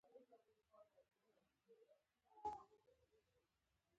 د زیرمو د ساتنې پلانونه او همغږي شوي سیستمونه نشته.